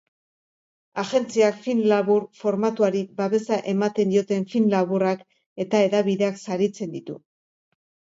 Agentziak film labur formatuari babesa ematen dioten film laburrak eta hedabideak saritzen ditu.